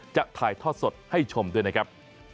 จะถ่ายทอดสดให้ชมด้วยนะครับ